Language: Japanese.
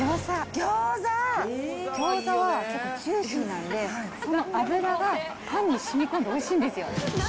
ギョーザは、結構ジューシーなので、その油がパンにしみこんで、おいしいんですよ。